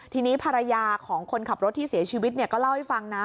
ทีนี้ภรรยาของคนขับรถที่เสียชีวิตก็เล่าให้ฟังนะ